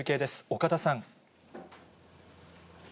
岡田さん。